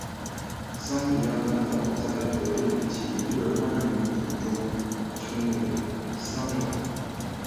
桑比亚半岛在德语及日耳曼语族中称为桑兰。